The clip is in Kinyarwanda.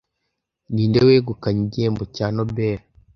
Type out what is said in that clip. Ninde wegukanye igihembo cya nobel